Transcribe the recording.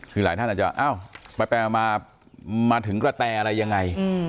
คือหลายท่านอาจจะอ้าวไปมาถึงกระแตอะไรยังไง